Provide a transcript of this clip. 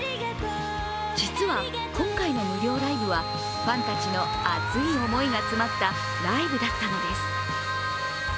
実は、今回の無料ライブはファンたちの熱い思いが詰まったライブだったのです。